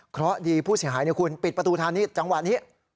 เพราะดีผู้เสียหายคุณปิดประตูทางนี้จังหวะนี้